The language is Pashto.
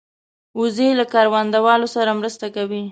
وزې له کروندهوالو سره مرسته کوي